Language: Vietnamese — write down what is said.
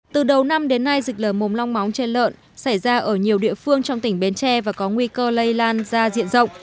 từ đầu năm đến nay dịch lờ mồm long móng trên lợn xảy ra ở nhiều địa phương trong tỉnh bến tre và có nguy cơ lây lan ra diện rộng